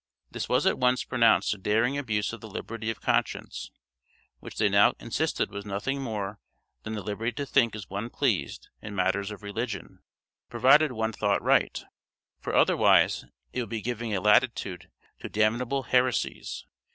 This was at once pronounced a daring abuse of the liberty of conscience, which they now insisted was nothing more than the liberty to think as one pleased in matters of religion, provided one thought right; for otherwise it would be giving a latitude to damnable heresies.